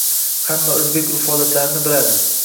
Hamma o'zbek urf -odatlarini biladi